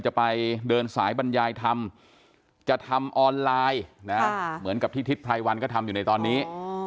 หมายบรรยายทำจะทำออนไลน์นะเหมือนกับที่ทิศไพรวันก็ทำอยู่ในตอนนี้